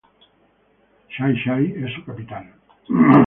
Xai-Xai es su capital.